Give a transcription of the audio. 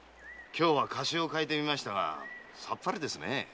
今日は河岸を変えてみましたがさっぱりですね。